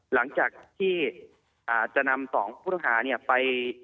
หลังจากที่จะนำ๒ผู้ต้องหาไป